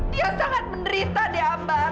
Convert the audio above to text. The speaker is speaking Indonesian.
dia sangat menderita dihambar